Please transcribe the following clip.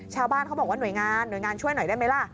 ชาวบ้านเขาบอกว่าหน่วยงานหน่วยงานช่วยหน่อยได้ไหมล่ะ